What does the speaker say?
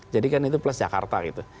jadi kan itu plus jakarta gitu